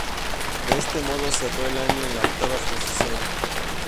De este modo, cerró el año en la octava posición.